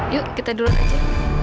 yuk kita duluan aja